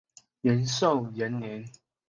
仁寿元年。